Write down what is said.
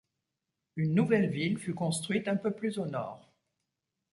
Une nouvelle ville fut construite un peu plus au nord.